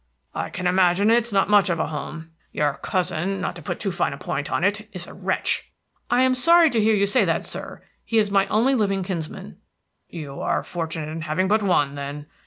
"I can imagine it is not much of a home. Your cousin, not to put too fine a point on it, is a wretch." "I am sorry to hear you say that, sir; he's my only living kinsman." "You are fortunate in having but one, then.